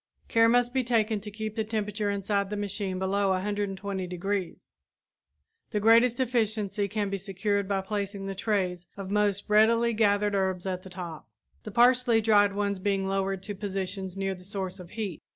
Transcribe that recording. Care must be taken to keep the temperature inside the machine below 120 degrees. The greatest efficiency can be secured by placing the trays of most recently gathered herbs at the top, the partially dried ones being lowered to positions nearer the source of heat.